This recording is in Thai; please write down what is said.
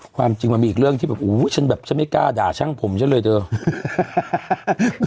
ความจริงมันมีอีกเรื่องที่แบบอู้ฉันแบบฉันไม่กล้าด่าช่างผมฉันเลยเถอะ